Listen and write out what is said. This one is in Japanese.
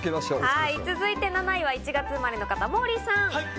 ７位は１月生まれの方、モーリーさん。